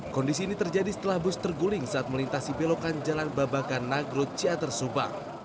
kondisi ini terjadi setelah bus terguling saat melintasi belokan jalan babakan nagrod ciater subang